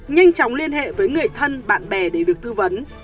nhanh chóng liên hệ với người thân bạn bè để được tư vấn